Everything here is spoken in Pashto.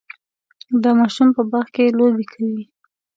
دا ماشوم په باغ کې لوبې کوي.